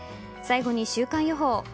最後に週間予報。